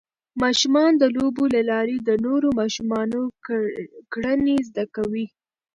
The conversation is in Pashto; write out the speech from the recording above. ماشومان د لوبو له لارې د نورو ماشومانو کړنې زده کوي.